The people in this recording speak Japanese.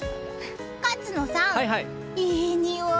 勝野さん、いいにおい！